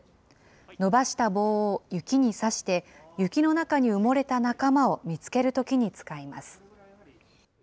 伸ばした棒を雪に刺して、雪の中に埋もれた仲間を見つけるときに使います。